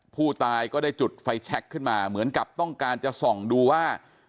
ผู้ตายก็ได้จุดไฟแชคขึ้นมาเหมือนกับต้องการจะส่องดูว่า